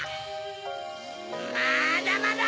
まだまだ！